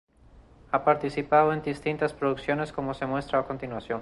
Ha participado en distintas producciones, como se muestra a continuación.